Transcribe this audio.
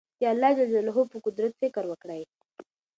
د الله په قدرت فکر وکړئ.